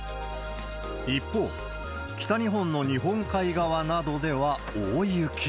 一方、北日本の日本海側などでは大雪。